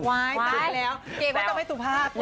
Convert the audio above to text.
เก่งว่าจะไม่สู่ภาพ